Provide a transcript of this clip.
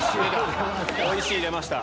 「おいＣ」出ました。